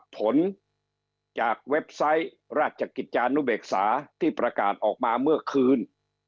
ผลจากเว็บไซต์ราชกิจจานุเบกษาที่ประกาศออกมาเมื่อคืน